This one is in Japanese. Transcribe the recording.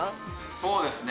そうですね。